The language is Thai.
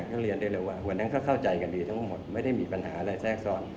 ก็เรียนได้เลยว่าวันนั้นก็เข้าใจกันดีทั้งหมดไม่ได้มีปัญหาอะไรแทรกซ้อน